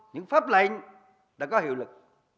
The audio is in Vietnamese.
những pháp lệnh đã có hiệu lực